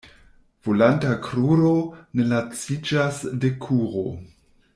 Volanta kruro ne laciĝas de kuro.